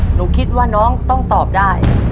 หนูคิดว่าน้องต้องตอบได้